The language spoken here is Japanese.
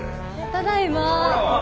ただいま。